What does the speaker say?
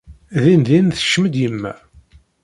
Din-din tekcem-d yemma.